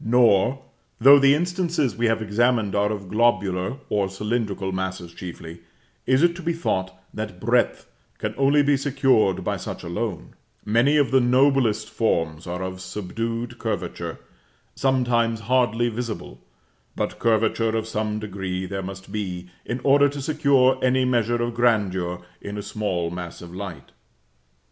Nor, though the instances we have examined are of globular or cylindrical masses chiefly, is it to be thought that breadth can only be secured by such alone: many of the noblest forms are of subdued curvature, sometimes hardly visible; but curvature of some degree there must be, in order to secure any measure of grandeur in a small mass of light.